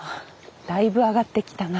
だいぶ上がってきたな。